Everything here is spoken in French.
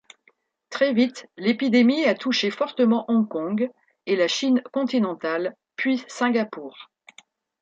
Très vite, l'épidémie a touché fortement Hong Kong et la Chine continentale, puis Singapour.